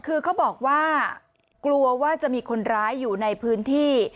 คือเขาบอกว่ากลัวว่าจะมีคนร้ายอยู่ในพื้นที่